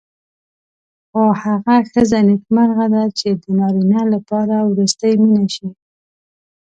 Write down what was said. خو هغه ښځه نېکمرغه ده چې د نارینه لپاره وروستۍ مینه شي.